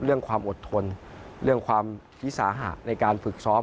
เรื่องความอดทนเรื่องความวิสาหะในการฝึกซ้อม